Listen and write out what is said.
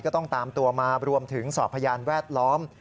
ก็ต้องตามตัวมารวมถึงสอบพยานแวดล้อม